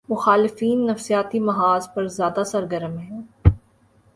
مخالفین نفسیاتی محاذ پر زیادہ سرگرم ہیں۔